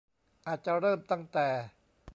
อาจจะเริ่มตั้งแต่